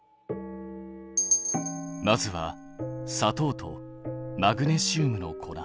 まずは砂糖とマグネシウムの粉。